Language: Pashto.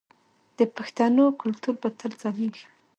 د پښتنو کلتور به تل ځلیږي.